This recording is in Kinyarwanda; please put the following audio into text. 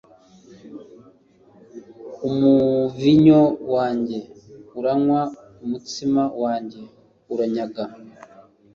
umuvinyu wanjye uranywa, umutsima wanjye uranyaga